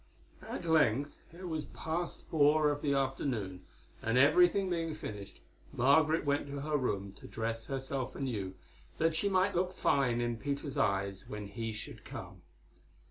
At length it was past four of the afternoon, and everything being finished, Margaret went to her room to dress herself anew, that she might look fine in Peter's eyes when he should come.